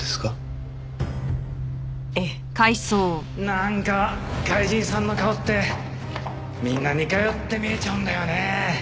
なんか外人さんの顔ってみんな似通って見えちゃうんだよね。